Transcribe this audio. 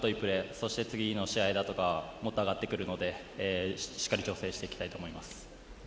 そして、次の試合だとかもっと上がってくるのでしっかり調整していきたいと思います。